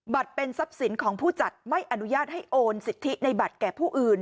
เป็นทรัพย์สินของผู้จัดไม่อนุญาตให้โอนสิทธิในบัตรแก่ผู้อื่น